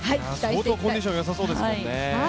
相当コンディションよさそうですもんね。